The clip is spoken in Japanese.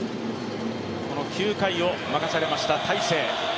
９回を任されました大勢。